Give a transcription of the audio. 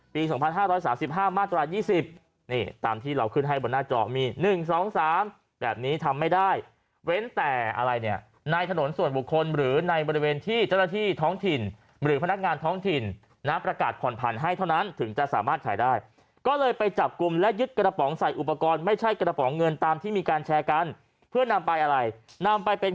ปี๒๕๓๕มาตรา๒๐นี่ตามที่เราขึ้นให้บนหน้าจอมี๑๒๓แบบนี้ทำไม่ได้เว้นแต่อะไรเนี่ยในถนนส่วนบุคคลหรือในบริเวณที่เจ้าหน้าที่ท้องถิ่นหรือพนักงานท้องถิ่นนะประกาศผ่อนผันให้เท่านั้นถึงจะสามารถขายได้ก็เลยไปจับกลุ่มและยึดกระป๋องใส่อุปกรณ์ไม่ใช่กระป๋องเงินตามที่มีการแชร์กันเพื่อนำไปอะไรนำไปเป็น